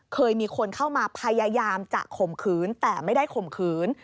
เคยมีคนเข้ามาพยายามจะข่มขืนแต่ไม่ได้ข่มขืน